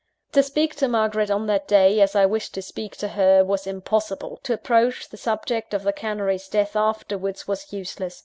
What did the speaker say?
To speak to Margaret on that day, as I wished to speak to her, was impossible. To approach the subject of the canary's death afterwards, was useless.